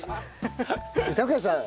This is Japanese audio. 拓也さん。